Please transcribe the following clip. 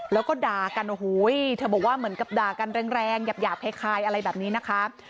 แล้วก็ด่ากันโอ้โหเธอบอกว่าเหมือนกับด่ากันแรงหยาบคล้ายอะไรแบบนี้นะคะ